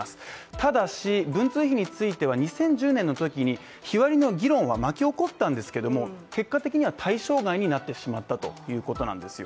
ただし、文通費については２０１０年の時に日割りの議論が巻き起こったんですけども結果的には対象外になってしまったということなんですよ。